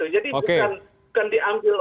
jadi bukan diambil oleh orang luar